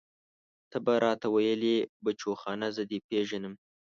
ته به راته ويلې بچوخانه زه دې پېژنم.